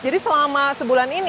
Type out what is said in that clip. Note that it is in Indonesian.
jadi selama sebulan ini